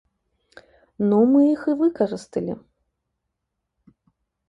Ну мы іх і выкарысталі.